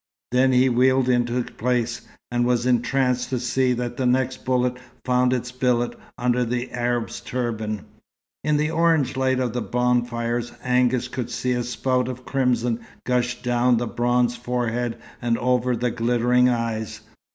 Then, he wheeled into place, and was entranced to see that the next bullet found its billet under the Arab's turban. In the orange light of the bonfires, Angus could see a spout of crimson gush down the bronze forehead and over the glittering eyes.